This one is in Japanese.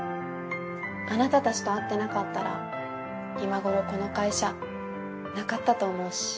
あなたたちと会ってなかったら今頃この会社なかったと思うし。